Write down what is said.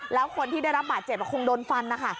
แล้วคนที่ได้รับบาดเจ็บคงโดนฟันนะคะ